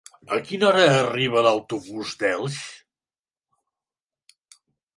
A quina hora arriba l'autobús d'Elx?